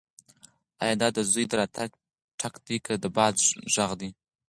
ایا دا د زوی د راتګ ټک دی که د باد غږ دی؟